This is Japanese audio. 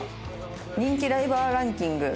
人気ライバーランキング３８万